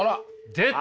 出た！